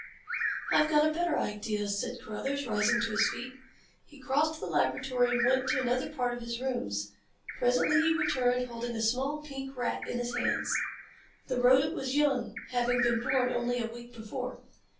"I've got a better idea," said Carruthers, rising to his feet. He crossed the laboratory and went to another part of his rooms. Presently he returned holding a small pink rat in his hands. The rodent was young, having been born only a week before.